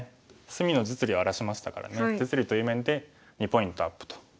隅の実利を荒らしましたからね実利という面で２ポイントアップと。